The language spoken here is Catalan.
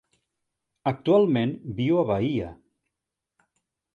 Actualment viu a Bahia.